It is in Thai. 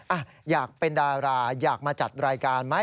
อ่ะอยากเป็นดาราอยากมาจัดรายการไหม